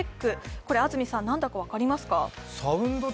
これ、安住さん、何だか分かりますか？